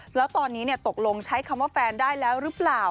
แล้วตอนนี้ตกลงใช้คำว่าแฟนได้แล้วหรือเปล่า